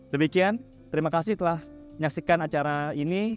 demikian terima kasih telah menyaksikan acara ini